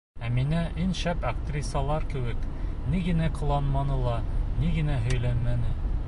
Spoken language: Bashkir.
Әминә иң шәп актрисалар кеүек ни генә ҡыланманы ла, ни генә һөйләмәне: